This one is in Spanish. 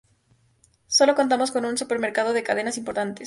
Solo contamos con un supermercado de cadenas importantes.